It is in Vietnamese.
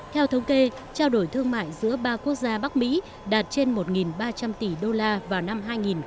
theo thống kê trao đổi thương mại giữa ba quốc gia bắc mỹ đạt trên một ba trăm linh tỷ đô la vào năm hai nghìn một mươi bảy